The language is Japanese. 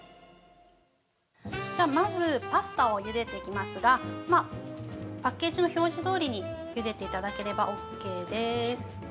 ◆まず、パスタをゆでていきますがパッケージの表示どおりにゆでていただければオッケーです。